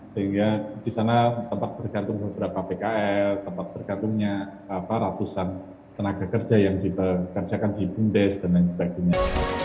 sehingga di sana tempat bergantung beberapa pkl tempat bergantungnya ratusan tenaga kerja yang dikerjakan di bumdes dan lain sebagainya